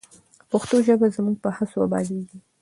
پښتو ژبه زموږ په هڅو ابادیږي.